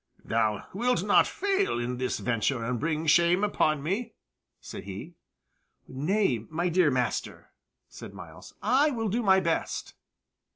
"Thou wilt not fail in this venture and bring shame upon me?" said he. "Nay, my dear master," said Myles; "I will do my best."